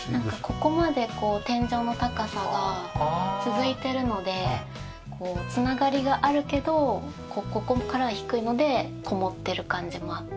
ここまでこう天井の高さが続いてるので繋がりがあるけどここからは低いのでこもってる感じもあって。